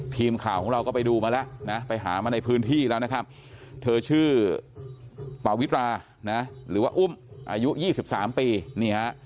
ทีมข่าวของเราก็ไปดูมาแล้วนะไปหามาในพื้นที่แล้วนะครับเธอชื่อปาวิตรานะหรือว่าอุ้มอายุ๒๓ปีนี่ฮะ